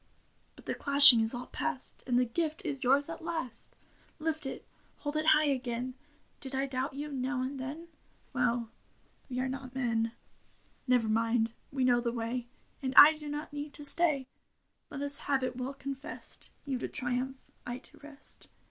But the clashing is all past. And the gift is yours at last. Lift it — hold it high again !..• Did I doubt you now and then ? Well, we are not men. 1 68 THE WIFE OF PALISSY Never mind ; we know the way. And I do not need to stay. Let us have it well confessed : You to triumph, I to rest.